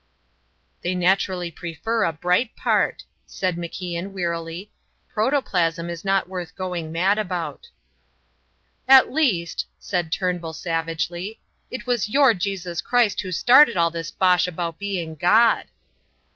"They naturally prefer a bright part," said MacIan, wearily. "Protoplasm is not worth going mad about." "At least," said Turnbull, savagely, "it was your Jesus Christ who started all this bosh about being God."